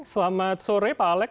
selamat sore pak alex